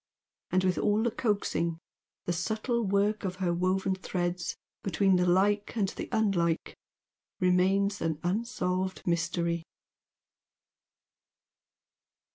And with all the coaxing, the subtle work of her woven threads between the Like and the Unlike remains an unsolved mystery.